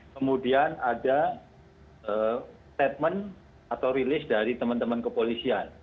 kemudian ada statement atau rilis dari teman teman kepolisian